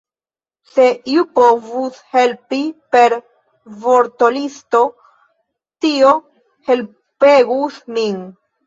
Se iu povus helpi per vortolisto, tio helpegus min!